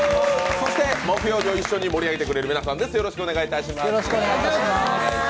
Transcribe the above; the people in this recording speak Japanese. そして木曜日を一緒に盛り上げてくれる皆さんです。